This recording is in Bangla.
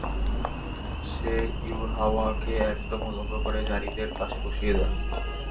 সে ইউহাওয়াকে একদম উলঙ্গ করে যারীদের পাশে বসিয়ে দেয়।